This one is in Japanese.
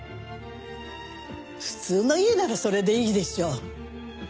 普通の家ならそれでいいでしょう。